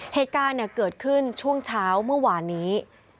เหตุการณ์เกิดขึ้นช่วงเช้าเมื่อวานนี้